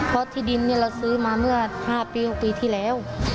เพราะที่ดินเนี่ยเราซื้อมาเมื่อ๕ปี๖ปีที่แล้ว